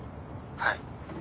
はい。